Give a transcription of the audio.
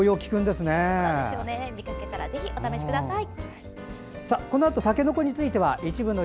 見かけたら、ぜひお試しください。